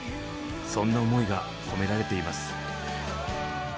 そんな思いが込められています。